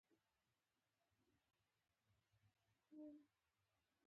ټولنې لیونیان زغمل ځکه چې ضرر یې نه رسوه.